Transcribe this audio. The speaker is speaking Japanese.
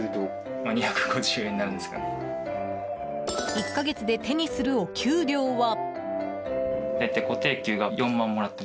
１か月で手にするお給料は？